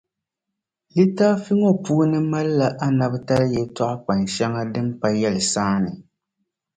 Litaafi ŋɔ puuni malila anabitali yɛtɔɣ’ kpan’ shɛŋa din pa yɛlisaani.